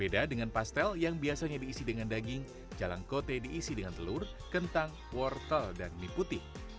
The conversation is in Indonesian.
berbeda dengan pastel yang biasanya diisi dengan daging jalangkote diisi dengan telur kentang wortel dan mie putih